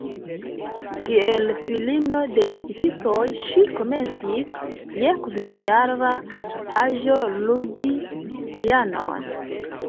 Kiel filino de muzikistoj ŝi komencis, je kvinjara aĝo, ludi pianon.